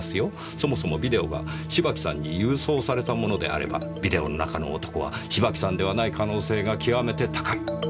そもそもビデオが芝木さんに郵送されたものであればビデオの中の男は芝木さんではない可能性が極めて高い。